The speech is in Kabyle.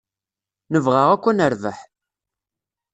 Nebɣa akk ad nerbeḥ.